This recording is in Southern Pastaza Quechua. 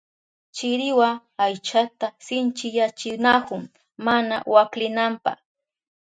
Chiriwa aychata sinchiyachinahun mana waklinanpa.